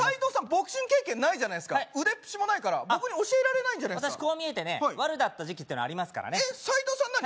ボクシング経験ないじゃないっすか腕っぷしもないから僕に教えられないんじゃないっすか私こう見えてねワルだった時期ってのありますからねえっ斎藤さん何？